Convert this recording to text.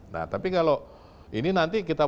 nah tapi kalau ini nanti kita